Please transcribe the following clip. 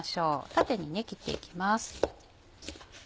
縦に切っていきます。